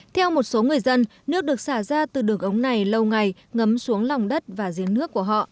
theo một số người dân nước được xả ra từ đường ống này lâu ngày ngấm xuống lòng đất và giếng nước của họ